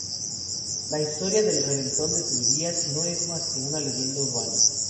La historia del "reventón de tuberías" no es más que una leyenda urbana.